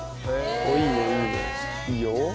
いいねいいねいいよ。